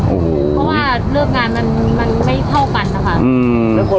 เพราะว่าเลิกงานมันไม่เท่ากันนะคะ